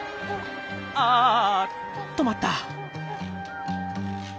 あ止まった。